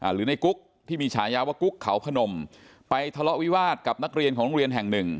หรือในกุ๊กที่มีฉายาว่ากุ๊กเขาพนมไปทะเลาะวิวาสกับนักเรียนของโรงเรียนแห่งหนึ่ง